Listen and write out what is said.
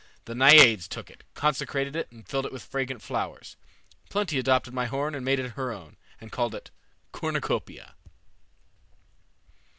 The Naiades took it, consecrated it, and filled it with fragrant flowers. Plenty adopted my horn and made it her own, and called it 'Cornucopia.'"